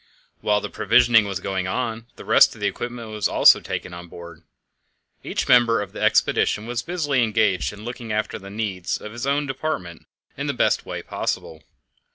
While the provisioning was going on, the rest of the equipment was also being taken on board. Each member of the expedition was busily engaged in looking after the needs of his own department in the best way possible.